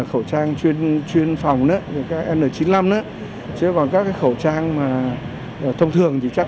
khẩu trang chuyên chuyên phòng nữa n chín mươi năm nữa chứ còn các cái khẩu trang mà thông thường thì chắc